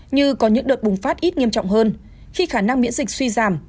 như có những đợt bùng phát ít nghiêm trọng hơn khi khả năng miễn dịch suy giảm